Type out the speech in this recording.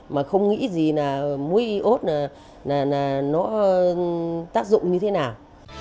mà không nghĩ gì là mối y ốt nó tác dụng như thế nào